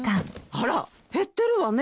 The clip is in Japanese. あら減ってるわね